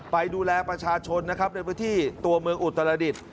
ไปดูแลประชาชนนะครับในพื้นที่ตัวเมืองอุตรดิษฐ์